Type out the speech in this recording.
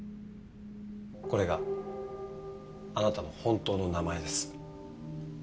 これがあなたの本当の名前です。